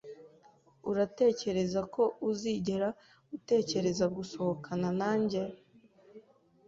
Uratekereza ko uzigera utekereza gusohokana nanjye?